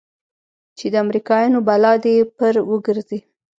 چې د امريکايانو بلا دې پر وګرځي.